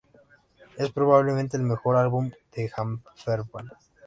Es probablemente el mejor álbum de HammerFall.